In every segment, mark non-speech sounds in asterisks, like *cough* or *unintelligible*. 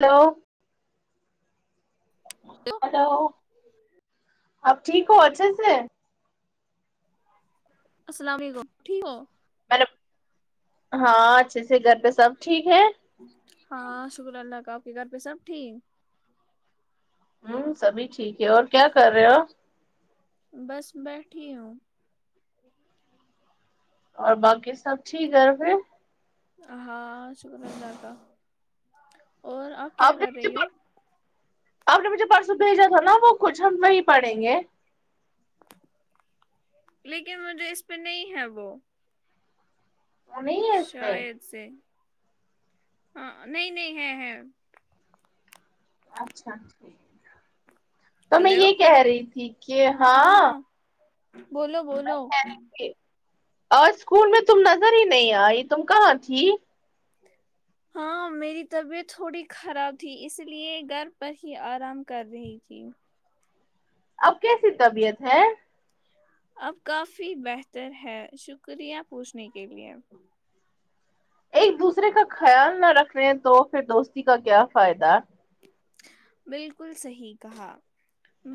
hello تو hello آپ ٹھیک ہو اچھے سے السلام علیکم ٹھیک ہو ہیلو ہاں اچھے سے گھر پہ سب ٹھیک ہے ہاں شکر اللہ کا آپ کے گھر پہ سب ٹھیک ہوں سبھی ٹھیک ہے اور کیا کر رہے ہو بس بیٹھی ہوں اور باقی سب ٹھیک ہے گھر پہ ہاں شکر اللہ کا اور آپ کیا نے کر مجھے رہی ہو آپ نے مجھے پرسوں بھیجا تھا نا وہ کچھ ہم وہی پڑیں گے لیکن مجھے اس پہ نہیں ہے وہ وہ نہیں ہی اس پے شاید سے ہاں نہیں نہیں ہے ہے اچھاچا تو میں یہ ہلو کہہ رہی تھی کہ ہاں بولو بولو ک آج اسکول میں تم نظر ہی نہیں آئی تم کہاں تھی ہاں میری طبیعت تھوڑی خراب تھی اس لیے گھر پر ہی آرام کر رہی تھی اب کیسی طبیعت ہے اب کافی بہتر ہے شکریہ پوچھنے کے لیے ایک دوسرے کا خیال نہ رکھے تو پھر دوستی کا کیا فائدہ بالکل صحیح کہا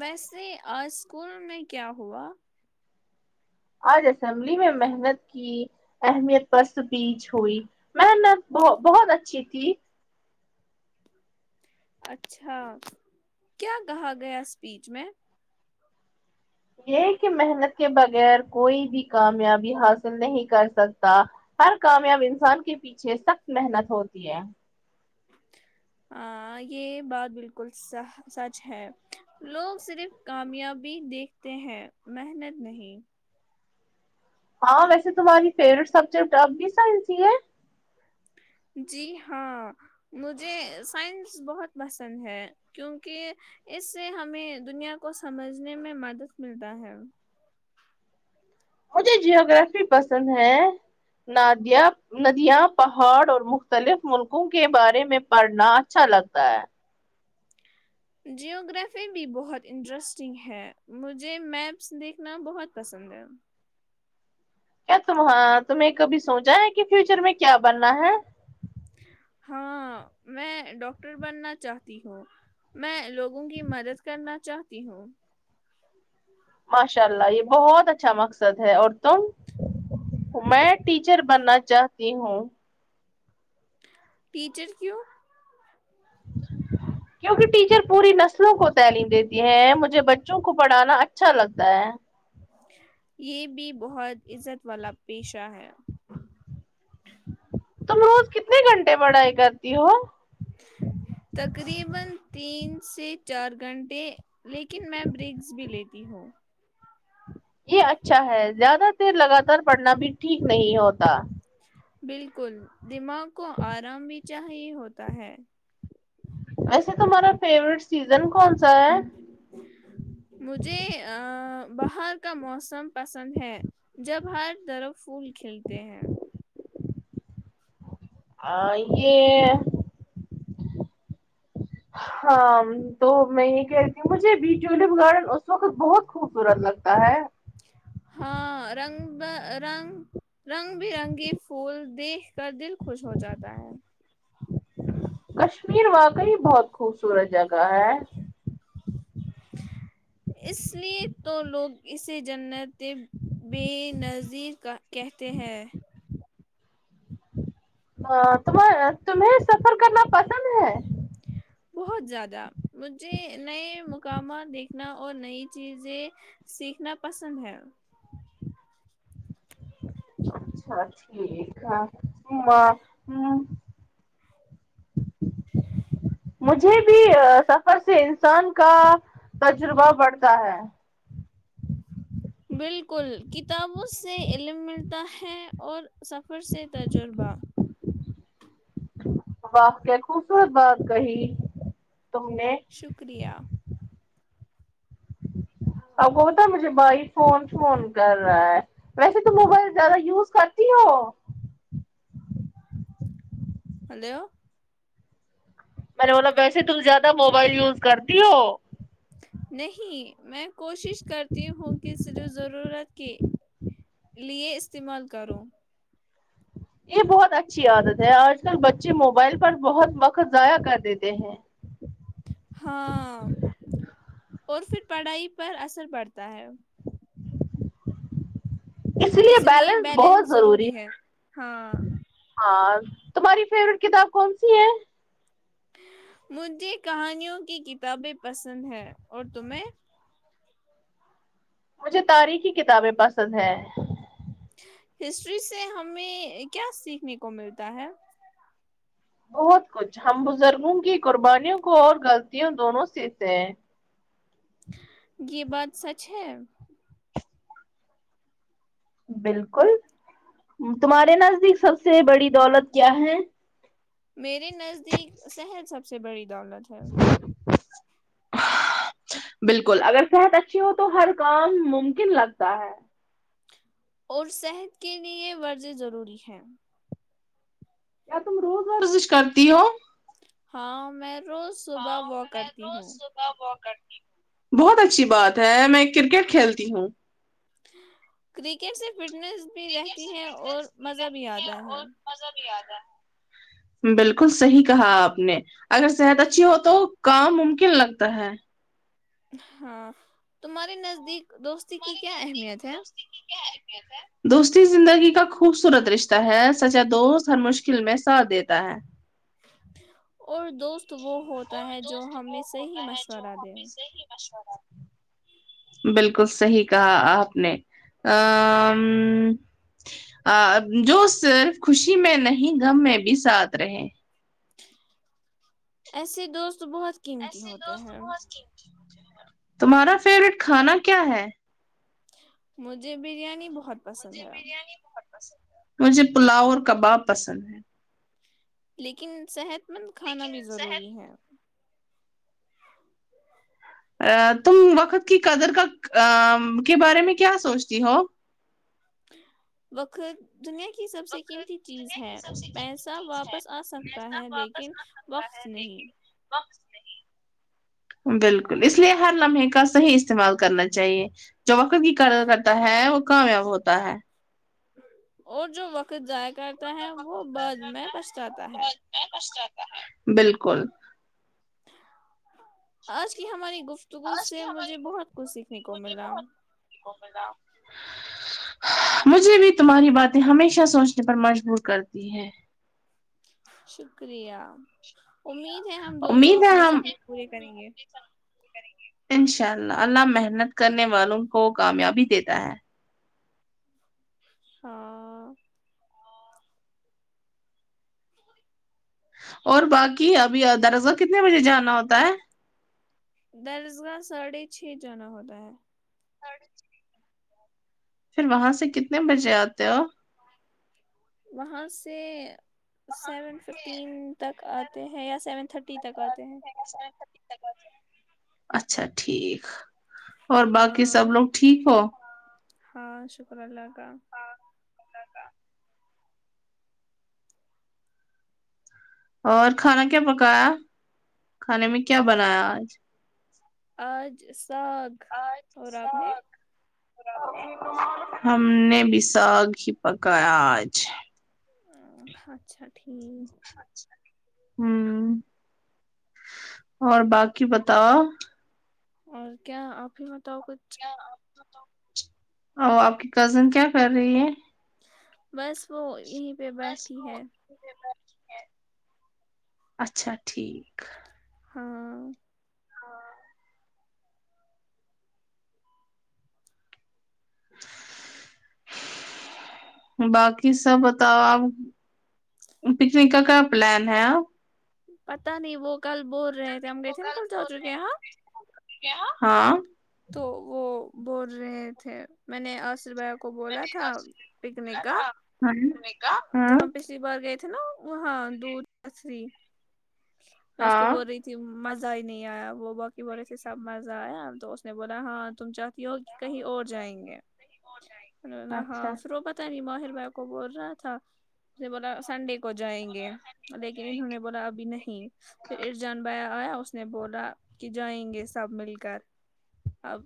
ویسے آج اسکول میں کیا ہوا آج اسمبلی میں محنت ی کی اہمیت پرس بیچ ہوئی محنت ب بہت اچھی تھی اچھا کیا کہا گیا اسپیچ میں یہ کہ محنت کے بغیر کوئی بھی کامیابی حاصل نہیں کر سکتا ہر کامیاب انسان کے پیچھے سخت محنت ہوتی ہے ہ یہ بات بالکل سہہ سچ ہے لوگ صرف کامیابی دیکھتے ہیں محنت نہیں ہاں ویسے تمہاری فیورٹ سبجیکٹ اب بھی سائنس ہی ہے جی ہاں مجھے سائنس بہت پسند ہے کیونکہ اس سے ہمیں دنیا کو سمجھنے میں مدد ملتا ہے مجھے جیوگرافی پسند ہے نادیہ ندیاں پہاڑ اور مختلف ملکوں کے بارے میں پڑھنا اچھا لگتا ہے جیوگررافی بھی بہت انٹرسٹنگ ہے مجھے میپس دیکھنا بہت پسند ہے کیا تماں تمہیں کبھی سوچا ہے کہ فیوچر میں کیا بننا ہے ہاں میں ڈاکٹر بننا چاہتی ہوں میں لوگوں کی مدد کرنا چاہتی ہوں ماشاء اللہ یہ بہت اچھا مقصد ہے اور تم میں ٹیچر بننا چاہتی ہوں ٹیچر کیوں کیونکہ ٹیچر پوری نسلوں کو تعلیم دیتی ہیں مجھے بچوں کو پڑھانا اچھا لگتا ہے یہ بھی بہت عزت والا پیشہ ہے تم روز کتنے گھنٹے پڑھائی کرتی ہو تقریبا تین سے چار گھنٹے لیکن میں برگس بھی لیتی ہوں یہ اچھا ہے زیادہ دیر لگاتار پڑھنا بھی ٹھیک نہیں ہوتا بالکل دماغ کو آرام بھی چاہیے ہوتا ہے ایسے تمہارا فیوریٹ سیزن کون سا ہے مجھے ا باہر کا موسم پسند ہے جب ہر طرف پھول کھلتے ہیں آ یہ ہ ہاں تو میں یہ کہہ رہیتی ہوں مجھے بھی ٹولپ گارڈن اس وقت بہت خوبصورت لگتا ہے ہاں رنگ ب رنگ رنگ بی رنگی پھول دیکھ کر دل خوش ہو جاتا ہے کشمیر واقعی بہت خوبصورت جگہ ہے *inaudible* اس لیے تو لوگ اسے جنتے بے نظیر کا کہتے ہیں ہاہ تم تمہیں سفر کرنا پسند ہے بہت زیادہ مجھے نئے مقامات دیکھ نا اور نئی چیزیں سیکھنا پسند ہے *unintelligible* اچھا ٹھیک ہے ما آمم *inaudible* مجھے بھی سفر سے انسان کا تجربہ بڑھتا ہے بالکل کتابوں سے علم ملتا ہے اور سفر سے تجربہ واو کیا خوبصورت بات کہی تم نے شکریہ آپ کو ہوتا ہے مجھے بھائی فون فون کر رہا ہے ویسے تم موبائل زیادہ یوز کرتی ہو ہیلو میں نے بولا ویسے تم زیادہ موبائل یوز کرتی ہو نہیں میں کوشش کرتی ہوں کہ صرف ضرورت کہ لیے استعمال کرو یے بہت اچھی عادت ہے آج کل بچے موبائل پر بہت وقت ضائع کر دیتے ہیں ہاں اور پھر پڑھائی پر اثر پڑتا ہے اس لیے بیلنس بہت ضروری ہے ہاں تمہاری فیورٹ کتاب کون سی ہے مجھے کہانیوں کی کتابیں پسند ہیں اور تمہیں مجھے تاریخی کتابیں پسند ہے ہسٹری سے ہمیں کیا سیکھنے کو ملتا ہے بہت کچھ ہم بزرگوں کی قربانیوں کو اور غلطیوں دونوں سیکھتے ہیں یے بات سچ ہے بالکل تمہارے نزدیک سب سے بڑی دولت کیا ہے میرے نزدیک صحت سب سے بڑی دولت ہے بالکل اگر صحت اچھی ہو تو ہر کام ممکن لگتا ہے اور صحت کے لیے ورزش ضروری ہے کیا تم روز ورزش کرتی ہو ہاں میں روز صبح ہاں واک میں کرتی روز ہوں صبح بہت اچھی بات ہے میں کرکٹ کھیلتی ہوں کرکٹ سے فٹنس بھی کرکٹ رہتی سے ہے اور فٹنس مزہ بھی رہتی آتا ہے اور مزہ بھی آتا ہے بالکل صحیح کہا آپ نے اگر صحت اچھی ہو تو کام ممکن لگتا ہے ہاں تمہارے نزدیک دوستی کی تمہارے کیا نزدیک اہمیت ہے دوستی کی کیا اہمیت ہے دوستی زندگی کا خوبصورت رش تا ہے سچا دوست ہر مشکل میں ساتھ دیتا ہے اور دوست وہی ہوتا اور ہے جو دوست وہ ہمیں صحیح ہوتا ہے جو مشورہ دے ہمیں صحیح مشورہ جی بالکل صحیح کہا آپ نے آمم جو صرف خوشی میں نہیں گم میں بھی ساتھ رہے ایسے دوست بہت قیمتی ایسے ہوتے دوست ہیں بہت تمہارا فیوریٹ کھانا کیا ہے مجھے بریانی بہت پسند مجھے ہے بریانی بہت پسند ہے مجھے پلاؤ اور کباب پسند ہے لیکن صحت مند کھانا بھی ضروری ہے تم وقت کی قدر کا کے بارے میں کیا سوچتی ہو وقت دنیا کی سب سے وقت قیمتی چیز دنیا کی ہے سب سے قیمتی پیسہ چیز ہے واپس آ سکتا پیسہ ہے لیکن وقص نہیں وقص نہیں بالکل اس لیے ہر لمحے کا صحیح استعمال کرنا چاہیے جو وقت کی کرتا ہے وہ کامیاب ہوتا ہے اور جو وقت ضائع وہ کرتا ہے جو وقت وہ ضائع بعد میں کرتا وہ پچھتاتا ہے بعد میں پچھتاتا ہے بالکل آج کی ہماری گفتگو آج کی سے مجھے ہماری بہت گفتگو کچھ سیکھنے سے کو مجھے ملا بہت سیکھنے کو ملا مجھے بھی تمہاری باتیں ہمیشہ سوچنے پر مجبور کرتی ہے شکریہ امید ہے ہم دونوں امید ہے اپنے سپنے پورے کریں گے کریں گے انشاء اللہ اللہ محنت کرنے والوں کو کامیابی دیتا ہے ہاں اور باقی ابھی دراصل کتنے بجے جانا ہوتا ہے درسگاہ ساڑھے چھ جانا ہوتا ہے پھر وہاں سے کتنے بجے آتے ہو وہاں سے سیون ففٹین تک آت تے ہیں یا سیون تھرٹی تک آتے ہیں اچھا ٹھیک اور باقی ہاں سب لوگ ٹھیک ہو ہاں شکر اللہ کا اور کھانا کیا پکایا کھانے میں کیا بنایا آج آج ساد آج سااک ہم نے بھی سااک ہی پکایا آج ا اچھا ٹھیک ہ اور باقی بتاؤ اور کیا آپ ہی بتاؤ کچھ ا آپ کی کزن کیا کر رہی ہے بس وہ یہ بس کو انتظار کرتی ہے اچھا ٹھیک ہاں باقی سب بتاؤ آپ پکنک کا کیا پلان ہے آپ پتا نہیں وہ کل بول رہے تھے ہم گئے تھے نا کل جا چکے ہیں ہاں چھوٹی کیا ہاں تو وہ بول رہے تھے میں نے آصر ب میں نے کو بلا تھا میں جب ہم پچھلی بار گئے تھے نا وہاں دھ تری میں اس کو ہاں بول رہی تھی مزہ ہی نہیں آیا وہ باقی بورے سے سب مزہ آیا تو اس نے بولا ہاں تم چاہتی ہو کہیں اور جائیں گے ہاں اچھا *unintelligible* ماہر بھائی کو بول رہا تھا نے بولا سنڈے کو جائیں گے لیکن انہوں نے بولا ابھی نہیں ہیں پھر ار جان بیا آیا اس نے بولا کی جائیں گے سب مل کر اب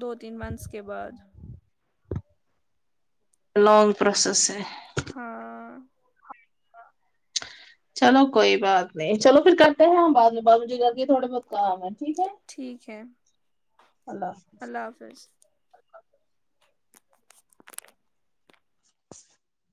دو تین منتھس کے بعد لانگ پروسس ہے ہاں چلو کوئی بات نہیں چلو پھر کرتے ہیں ہم بعد میں بازو جگہ کے تھوڑا بہت کام ہے ٹھیک ہے ٹھیک ہے اللہ حافظ آ فظ